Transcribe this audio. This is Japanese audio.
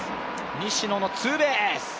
西野のツーベース。